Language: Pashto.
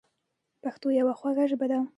پښتو یوه خوږه ژبه ده.